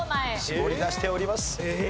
絞り出しております。